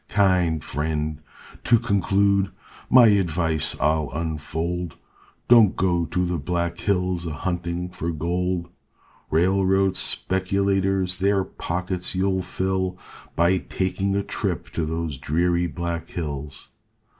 Kind friend, to conclude, my advice I'll unfold, Don't go to the Black Hills a hunting for gold; Railroad speculators their pockets you'll fill By taking a trip to those dreary Black Hills.